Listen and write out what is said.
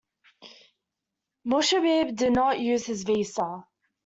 Mushabib did not use his visa.